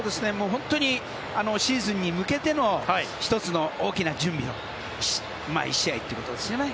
本当にシーズンに向けての１つの大きな準備の１試合ということですよね。